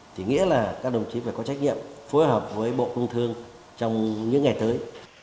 thì nghĩa là các đồng chí phải có trách nhiệm phối hợp với bộ công thương trong những ngày tới